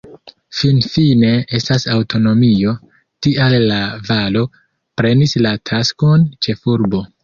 Finfine estas aŭtonomio, tial La-Valo prenis la taskon ĉefurbo.